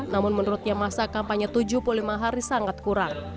namun menurutnya masa kampanye tujuh puluh lima hari sangat kurang